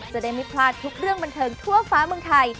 จะได้ไม่พลาดทุกเรื่องบันเทิงทั่วฟ้าเมืองไทย